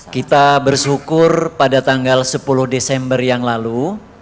kita bersyukur pada tanggal sepuluh desember yang lalu